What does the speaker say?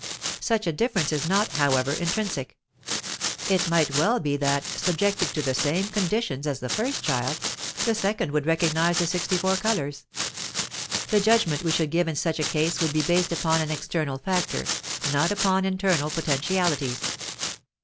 Such a difference is not, however, intrinsic; it might well be that, subjected to the same conditions as the first child, the second would recognize the sixty four colors. The judgment we should give in such a case would be based upon an external factor, not upon internal potentialities.